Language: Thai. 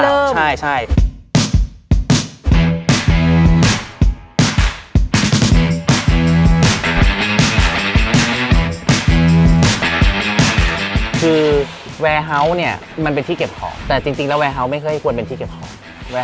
ก็คือเราเองอยากลองด้วยมั้ยต่อมา